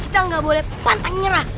kita nggak boleh pantang nyerah